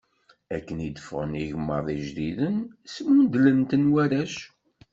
Akken d-ffɣen igeḍman ijdiden, smundlen-ten warrac.